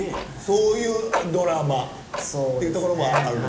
そういうドラマということもある。